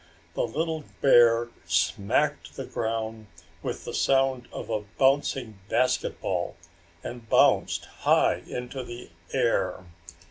The little bear smacked the ground with the sound of a bouncing basketball and bounced high into the air!